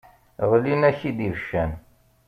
Ɣlin-ak-id ibeccan.